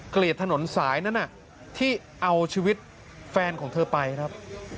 เกลียดถนนสายนั้นที่เอาชีวิตแฟนของเธอไปครับ